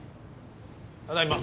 ただいま。